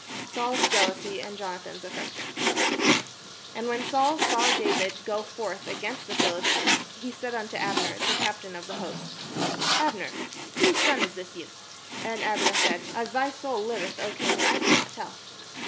Saul's jealousy and Jonathan's affection And when Saul saw David go forth against the Phil istine, he said unto Abner, the captain of the host: " Abner, whose son is this youth?" And Abner said: "As thy soul Hveth, 0 king, I cannot tell."